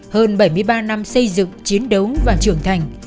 hơn bảy mươi ba năm xây dựng chiến đấu và trưởng thành